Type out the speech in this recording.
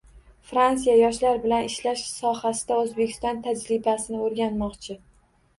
Fransiya yoshlar bilan ishlash sohasida Oʻzbekiston tajribasini oʻrganmoqchi